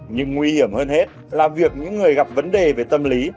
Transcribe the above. nhưng nguy hiểm hơn hết là việc những người gặp vấn đề về tâm lý